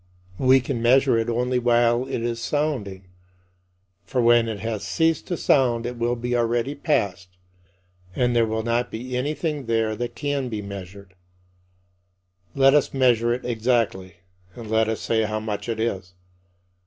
We can measure it only while it is sounding, for when it has ceased to sound it will be already past and there will not be anything there that can be measured. Let us measure it exactly; and let us say how much it is.